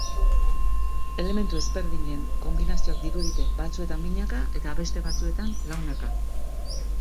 Elementu ezberdinen konbinazioak dirudite, batzuetan binaka eta beste batzuetan launaka.